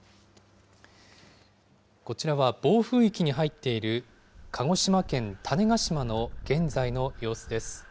こちらは、暴風域に入っている鹿児島県種子島の現在の様子です。